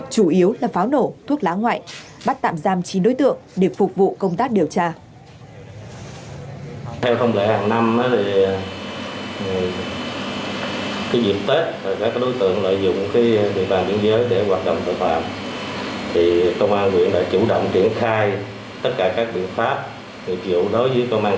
chủ yếu là pháo nổ thuốc lá ngoại bắt tạm giam chín đối tượng để phục vụ công tác điều tra